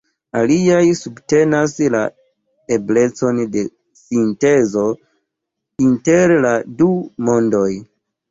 Aliaj subtenas la eblecon de sintezo inter la du mondoj.